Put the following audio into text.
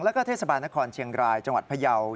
แล้วก็เทศบาลนครเชียงรายจังหวัดพยาว